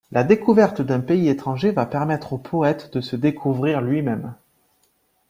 La découverte d'un pays étranger va permettre au poète de se découvrir lui-même.